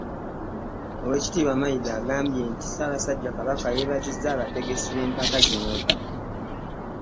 Oweekitiibwa Mayiga agambye nti Ssaabasajja Kabaka yeebazizza abategesi b'empaka zino